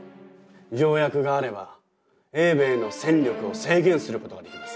条約があれば英米の戦力を制限することができます。